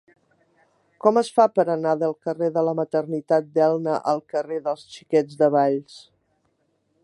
Com es fa per anar del carrer de la Maternitat d'Elna al carrer dels Xiquets de Valls?